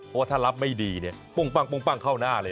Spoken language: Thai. เพราะถ้ารับไม่ดีปุ่งปังเข้าหน้าเลย